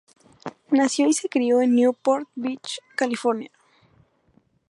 Nació y se crió en Newport Beach, California.